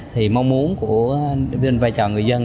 thì mong muốn của viên vai trò người dân